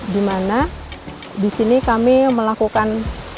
dimana di sini kami melakukan